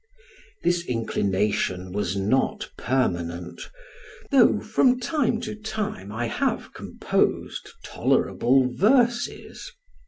This inclination was not permanent, though from time to time I have composed tolerable verses.